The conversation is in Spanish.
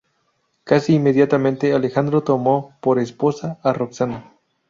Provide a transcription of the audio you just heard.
Casi inmediatamente, Alejandro tomó por esposa a Roxana.